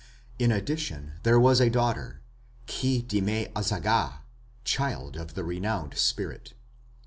In addition there was a daughter, Khi dimme azaga, "child of the renowned spirit".